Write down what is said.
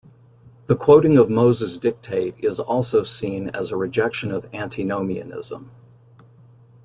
The quoting of Moses' dictate is also seen as a rejection of Antinomianism.